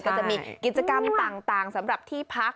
ก็จะมีกิจกรรมต่างสำหรับที่พัก